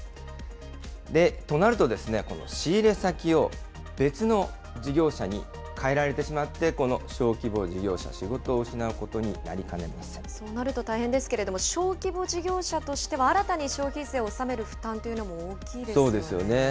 となると、仕入れ先を別の事業者に変えられてしまってこの小規模事業者、仕そうなると大変ですけれども、小規模事業者としては新たに消費税を納める負担というのも大きいそうですよね。